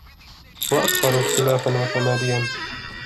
وَأَكْثَرُ اخْتِلَافًا وَتَمَادِيًا